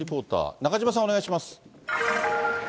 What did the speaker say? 中島さん、お願いします。